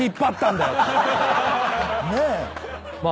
ねえ。